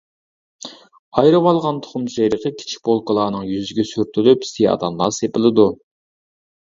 ئايرىۋالغان تۇخۇم سېرىقى كىچىك بولكىلارنىڭ يۈزىگە سۈرتۈلۈپ، سىيادانلار سېپىلىدۇ.